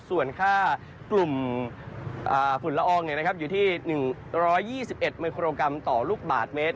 ส่วนค่ากลุ่มฝุ่นละอองอยู่ที่๑๒๑มิโครกรัมต่อลูกบาทเมตร